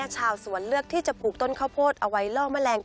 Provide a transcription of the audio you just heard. ชาวสวนเลือกที่จะปลูกต้นข้าวโพดเอาไว้ล่อแมลง